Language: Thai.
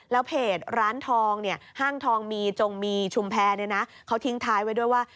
แล้วเพจร้านทองเนี่ยห้างทองมีจงมีชุมแพรเขาทิ้งท้ายไว้ด้วยว่า